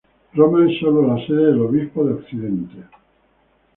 Roma es sólo la sede del obispo de Occidente.